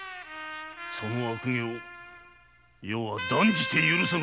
その悪行余は断じて許さぬぞ。